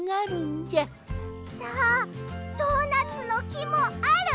じゃあドーナツのきもある？